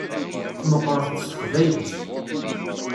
Tmeqqṛeḍ-d s teqbaylit.